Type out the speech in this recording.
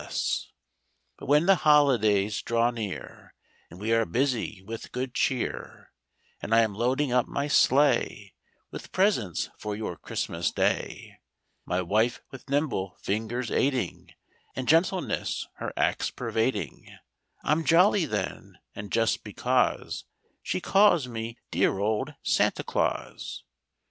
'" C ' S '^!' S > jn|B r*5v;'j ll 1 S I 1 1 1 1^*1 Copyrighted, 1897 lUT when the holidays draw near And we are busy with good cheer, And I am loading up my sleigh With presents for your Christmas Day, My wife with nimble fingers aiding, And gentleness her acts pervading, I'm jolly then, and just because She calls me 'dear old Santa Claus.